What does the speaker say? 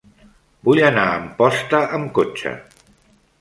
Vull anar a Amposta amb cotxe.